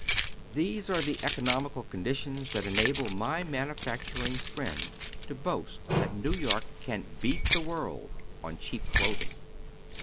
These are the economical conditions that enable my manufactul ing friend to boast that New York can " beat the world " on cheap clothing.